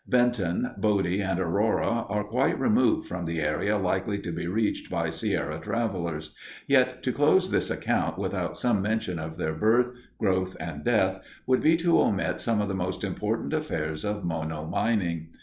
Benton, Bodie, and Aurora are quite removed from the area likely to be reached by Sierra travelers, yet to close this account without some mention of their birth, growth, and death would be to omit some of the most important affairs of Mono mining.